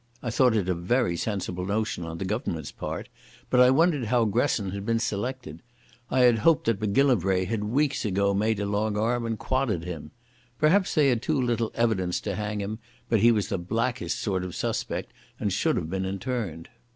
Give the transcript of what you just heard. I thought it a very sensible notion on the Government's part, but I wondered how Gresson had been selected. I had hoped that Macgillivray had weeks ago made a long arm and quodded him. Perhaps they had too little evidence to hang him, but he was the blackest sort of suspect and should have been interned.